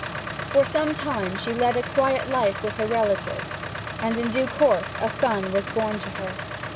For some time she led a quiet life with her relative, and in due course a son was born to her.